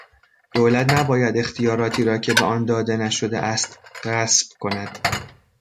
دولت نباید اختیاراتی را که به آن داده نشده است غصب کند.